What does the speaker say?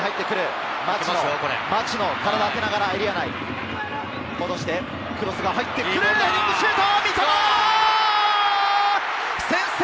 町野、体を当てながらエリア内、戻して、クロスが入ってくる１ヘディングシュート！